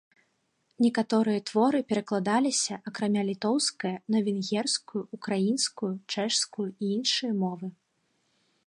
Некаторыя творы перакладаліся, акрамя літоўскае, на венгерскую, украінскую, чэшскую і іншыя мовы.